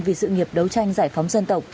vì sự nghiệp đấu tranh giải phóng dân tộc